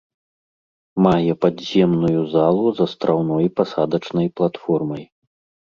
Мае падземную залу з астраўной пасадачнай платформай.